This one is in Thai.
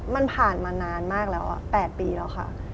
มันผ่านมานานมากแล้ว๘ปีแล้วค่ะ